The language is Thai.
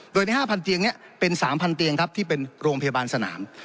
โดยในห้าพันเตียงเนี้ยเป็นสามพันเตียงครับที่เป็นโรงพยาบาลสนาม